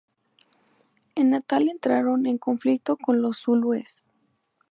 En Natal entraron en conflicto con los zulúes.